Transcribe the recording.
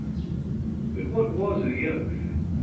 But what was the oath?